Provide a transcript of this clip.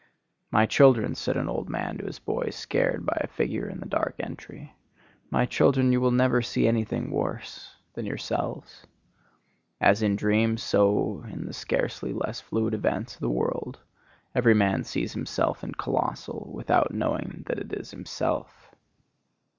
"My children," said an old man to his boys scared by a figure in the dark entry, "my children, you will never see any thing worse than yourselves." As in dreams, so in the scarcely less fluid events of the world every man sees himself in colossal, without knowing that it is himself.